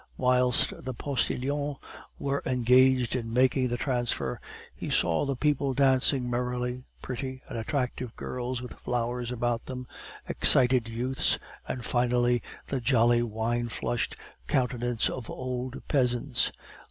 Whilst the postilions were engaged in making the transfer, he saw the people dancing merrily, pretty and attractive girls with flowers about them, excited youths, and finally the jolly wine flushed countenances of old peasants.